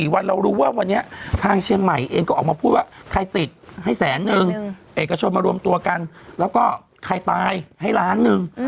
วันเรารู้ว่าวันนี้ทางเชียงใหม่เองก็ออกมาพูดว่าใครติดให้แสนนึงเอกชนมารวมตัวกันแล้วก็ใครตายให้ล้านหนึ่ง